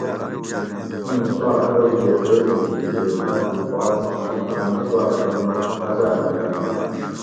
ایں سوا ٹولگئ غیزی ھی تے تن تھی بعد آمہ تانی سواۤ ژوند غزاۤ مئ لنگائ